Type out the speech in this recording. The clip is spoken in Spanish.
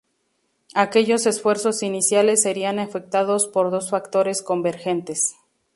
Aquellos esfuerzos iniciales serían afectados por dos factores convergentes.